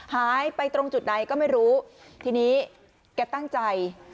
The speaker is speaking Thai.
หายไปตรงจุดไหนก็ไม่รู้ทีนี้แกตั้งใจ